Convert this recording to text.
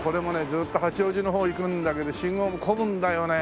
ずっと八王子の方行くんだけど信号も混むんだよね。